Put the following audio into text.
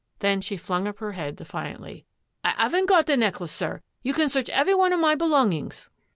Then she flung up her head defiantly. " I 'aven't got the necklace, sir. You can search every one of my belongings."